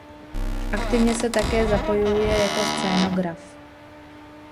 Aktivně se také zapojuje jako scénograf.